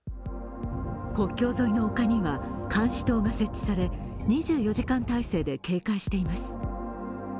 国境沿いの丘には監視塔が設置され２４時間態勢で警戒しています。